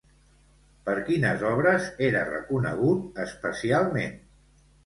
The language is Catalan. Per quines obres era reconegut especialment?